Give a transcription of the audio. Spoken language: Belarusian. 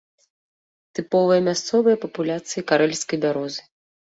Тыповая мясцовая папуляцыя карэльскай бярозы.